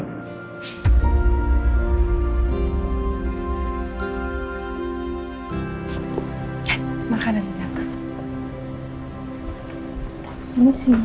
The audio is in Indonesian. aku sudah berhasil menerima cinta